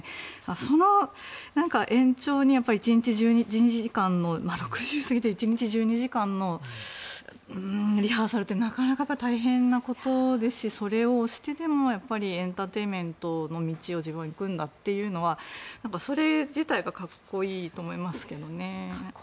その延長に、６０歳過ぎて１日１２時間のリハーサルってなかなか大変なことですしそれをしてでもエンターテインメントの道を自分は行くんだというのがそれ自体がかっこいいと思いますけどね。